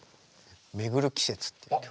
「めぐる季節」っていう曲。